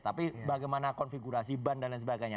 tapi bagaimana konfigurasi ban dan lain sebagainya